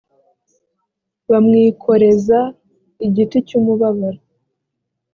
bamwikoreza igiti cy’umubabaro